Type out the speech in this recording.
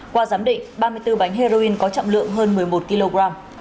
qua giám định ba mươi bốn bánh heroin có trọng lượng hơn một mươi một kg